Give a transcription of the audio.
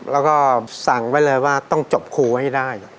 แล้วก็สั่งไว้เลยว่าต้องจบครูให้ได้